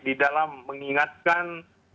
di dalam mengingatkan